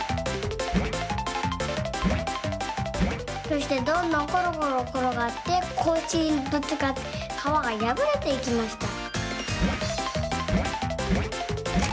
そしてどんどんころころころがってこいしにぶつかってかわがやぶれていきました。